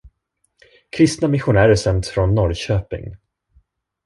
Kristna missionärer sänds från Norrköping.